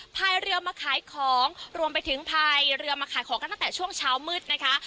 พายเรือมาขายของรวมไปถึงพายเรือมาขายของกันตั้งแต่ช่วงเช้ามืดนะคะ